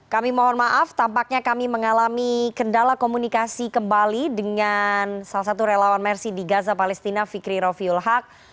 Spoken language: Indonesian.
kami mohon maaf tampaknya kami mengalami kendala komunikasi kembali dengan salah satu relawan mersi di gaza palestina fikri rofiul haq